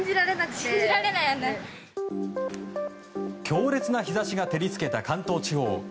強烈な日差しが照り付けた関東地方。